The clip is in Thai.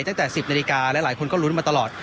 ตั้งแต่๑๐นาฬิกาและหลายคนก็ลุ้นมาตลอด